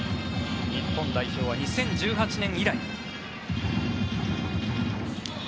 日本代表は２０１８年以来。